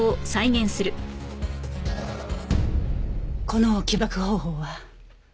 この起爆方法は。